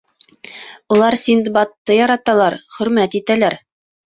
Улар Синдбадты яраталар, хөрмәт итәләр.